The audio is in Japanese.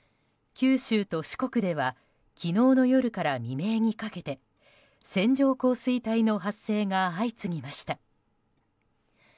九州と四国では昨日の夜から未明にかけて線状降水帯の発生が相次ぎました。